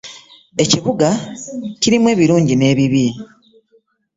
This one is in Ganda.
Ekibuga kirimu ebirungi n'ebibi.